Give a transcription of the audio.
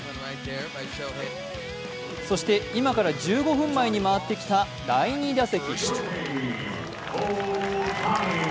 そして、今から１５分前に回ってきた第２打席。